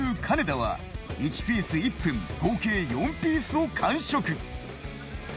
金田は１ピース１分合計４ピースを完食。